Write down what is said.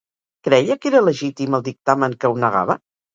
Creia que era legítim el dictamen que ho negava?